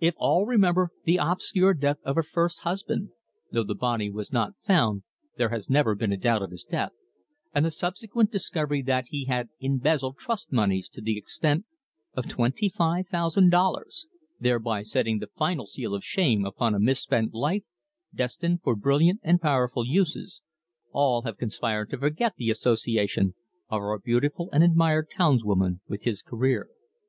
If all remember the obscure death of her first husband (though the body was not found, there has never been a doubt of his death), and the subsequent discovery that he had embezzled trust moneys to the extent of twenty five thousand dollars, thereby setting the final seal of shame upon a misspent life, destined for brilliant and powerful uses, all have conspired to forget the association of our beautiful and admired townswoman with his career.